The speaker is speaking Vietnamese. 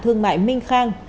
thương mại minh khang